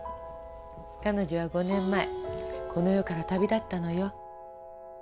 彼女は５年前この世から旅立ったのよ。